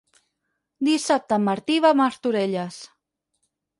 Dissabte en Martí va a Martorelles.